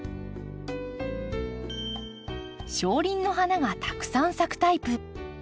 小輪の花がたくさん咲くタイプ。